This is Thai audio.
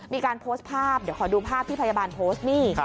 มีการโพสต์ภาพเดี๋ยวขอดูภาพที่พยาบาลโพสต์นี่